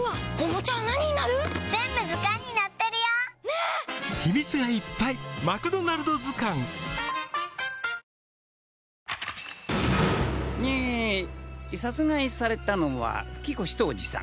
え殺害されたのは吹越桐司さん